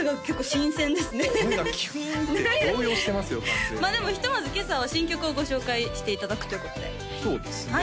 完全にでもひとまず今朝は新曲をご紹介していただくということでそうですね